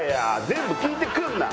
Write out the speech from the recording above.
全部聞いてくるな！